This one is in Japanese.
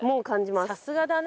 さすがだね。